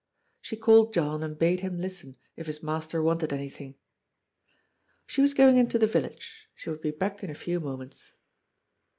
She called John and bade him listen, if his master wanted anything. '< She was going into the village. She would be back in a few moments."